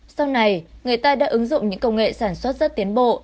sau này người ta đã ứng dụng những công nghệ sản xuất rất tiến bộ